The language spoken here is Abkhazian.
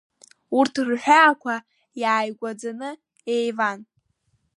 Урҭ рҳәаақәа иааигәаӡаны еиван.